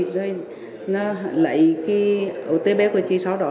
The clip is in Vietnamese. rồi nó lấy cái ổ tê bế của chị sau đó